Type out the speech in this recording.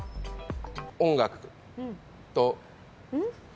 音楽と。